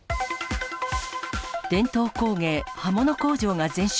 伝統工芸、刃物工場が全焼。